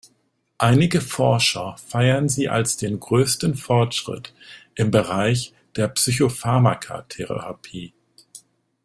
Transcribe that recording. Einige Forscher feiern sie als den größten Fortschritt im Bereich der Psychopharmaka-Therapie.